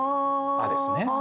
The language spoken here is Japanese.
「ア」ですね？